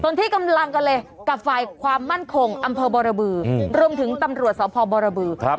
ส่วนที่กำลังกันเลยกับฝ่ายความมั่นคงอำเภอบรบือรวมถึงตำรวจสพบรบือครับ